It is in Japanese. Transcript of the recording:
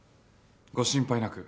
ご心配なく。